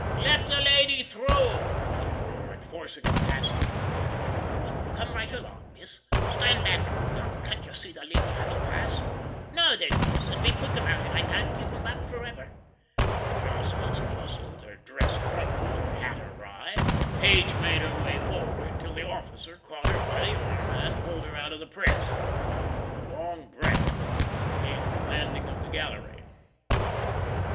"Let the lady through," he roared, forcing a passage with both elbows. "Come right along, Miss. Stand back you, now. Can't you see the lady has a pass? Now then, Miss, and be quick about it, I can't keep 'em back forever." Jostled and hustled, her dress crumpled, her hat awry, Page made her way forward, till the officer caught her by the arm, and pulled her out of the press. With a long breath she gained the landing of the gallery.